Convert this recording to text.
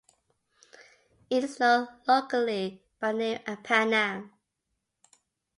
It is known locally by the name apanang.